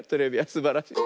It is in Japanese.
すばらしい。